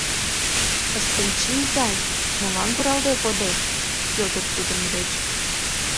— Кыстинчи изай, молан куралде кодет? — йодыт тудын деч.